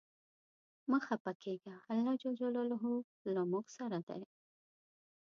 مه خپه کیږه ، الله ج له مونږ سره دی.